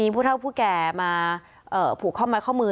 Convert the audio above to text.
พูดท่าวพูดแก่มาผูกข้อมายข้อมือ